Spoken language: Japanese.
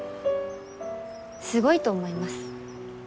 すごいと思います。